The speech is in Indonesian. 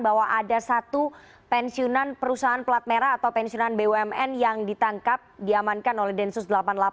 bahwa ada satu pensiunan perusahaan pelat merah atau pensiunan bumn yang ditangkap diamankan oleh densus delapan puluh delapan